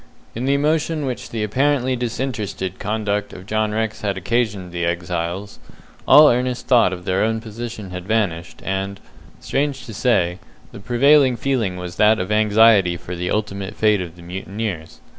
In the emotion which the apparently disinterested conduct of John Rex had occasioned the exiles, all earnest thought of their own position had vanished, and, strange to say, the prevailing feeling was that of anxiety for the ultimate fate of the mutineers.